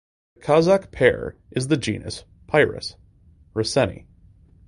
The Kazak pear is in the genus "Pyrus" (Rosaceae).